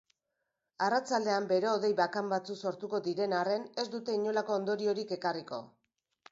Arratsaldean, bero-hodei bakan batzuk sortuko diren arren ez dute inolako ondoriorik ekarriko.